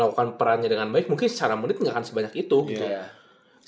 kalau perannya dengan baik mungkin secara menit nggak akan sebanyak itu gitu ya